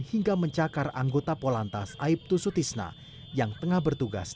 hingga mencakar anggota polantas aibtu sutisna yang tengah bertugas